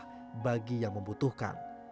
sebagai seorang perempuan yang membutuhkan